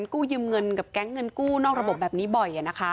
การกู้เงินกับแก๊งเงินกู้นอกระบบบ่อย